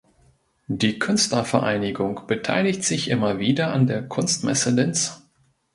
Die Künstlervereinigung beteiligt sich immer wieder an der Kunstmesse Linz.